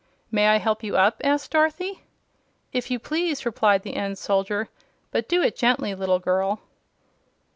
"May I help you up?" asked Dorothy. "If you please," replied the end soldier. "But do it gently, little girl."